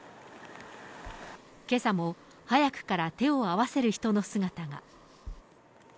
けさも早くから手を合わせる人の姿が。